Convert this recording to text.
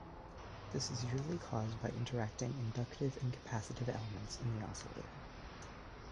This is usually caused by interacting inductive and capacitive elements in the oscillator.